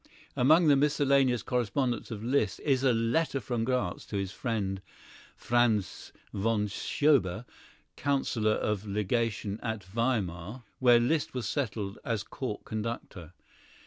Among the miscellaneous correspondence of Liszt is a letter from Graz to his friend Franz von Schober, councillor of legation at Weimar, where Liszt was settled as court conductor.